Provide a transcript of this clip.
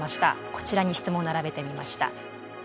こちらに質問並べてみました。